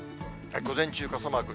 午前中傘マーク。